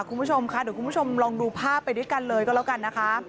เดี๋ยวคุณผู้ชมลองดูภาพไปด้วยกันเลยก็แล้วกัน